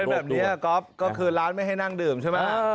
เป็นแบบนี้ก๊อฟก็คือร้านไม่ให้นั่งดื่มใช่ไหม